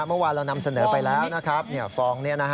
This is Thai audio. เมื่อวานเรานำเสนอไปแล้วนะครับฟองฟอร์ดเนี่ยนะฮะ